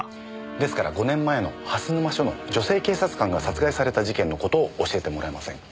ですから５年前の蓮沼署の女性警察官が殺害された事件の事を教えてもらえませんか？